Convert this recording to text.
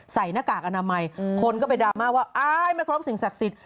หน้ากากอนามัยคนก็ไปดราม่าว่าอายไม่ครบสิ่งศักดิ์สิทธิ